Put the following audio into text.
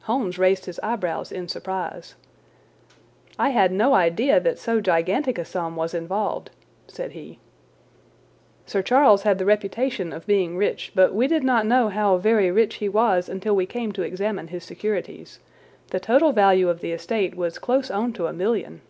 Holmes raised his eyebrows in surprise. "I had no idea that so gigantic a sum was involved," said he. "Sir Charles had the reputation of being rich, but we did not know how very rich he was until we came to examine his securities. The total value of the estate was close on to a million."